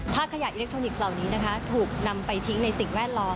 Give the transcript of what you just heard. ถ้าขยะอิเล็กทรอนิกส์เหล่านี้นะคะถูกนำไปทิ้งในสิ่งแวดล้อม